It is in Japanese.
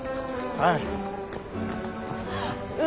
はい。